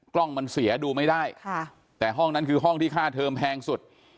กล้องมันเสียดูไม่ได้ค่ะแต่ห้องนั้นคือห้องที่ค่าเทอมแพงสุด